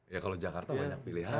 ya kalau jakarta banyak pilihan